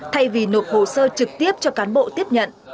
thay vì nộp hồ sơ trực tiếp cho cán bộ tiếp nhận